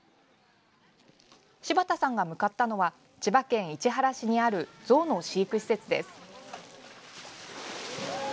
柴田さんが向かったのは千葉県市原市にあるゾウの飼育施設です。